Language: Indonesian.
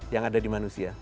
yang ada di manusia